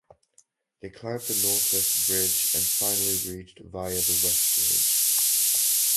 They climbed the northwest ridge and finally reached via the west ridge.